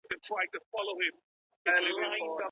ایا ځايي کروندګر وچه الوچه صادروي؟